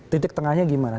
titik tengahnya gimana